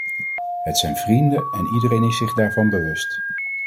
Het zijn vrienden en iedereen is zich daarvan bewust.